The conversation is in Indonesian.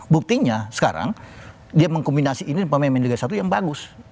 buktinya sekarang dia mengkombinasi ini pemain pemain liga satu yang bagus